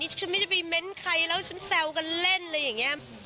ต่อไปนี้ฉันไม่จะไปเมนต์ใครแล้วฉันแซวกันเล่นอะไรอย่างนี้